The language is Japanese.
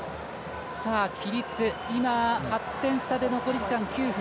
規律、今８点差で残り時間９分。